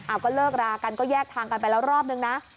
เอาก็เลิกรากันก็แยกทางกันไปแล้วรอบนึงนะ